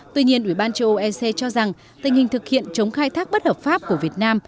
tuy nhiên ủy ban châu âu ec cho rằng tình hình thực hiện chống khai thác bất hợp pháp của việt nam